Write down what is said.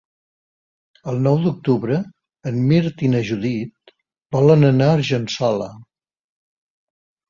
El nou d'octubre en Mirt i na Judit volen anar a Argençola.